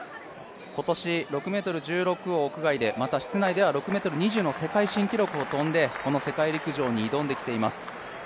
今年６ｍ１６を屋内でまた室内では６ｍ２０の世界新記録を跳んでこの世界陸上に臨んできています。